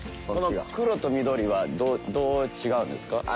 この黒と緑はどう違うんですか？